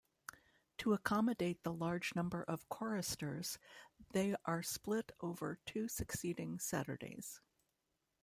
To accommodate the large number of choristers, they are split over two succeeding Saturdays.